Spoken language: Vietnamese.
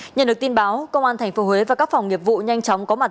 nhận được tin báo công an tp huế và các phòng nghiệp vụ nhanh chóng có mặt